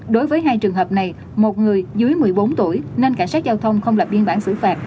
đối với hai trường hợp này một người dưới một mươi bốn tuổi nên cảnh sát giao thông không lập biên bản xử phạt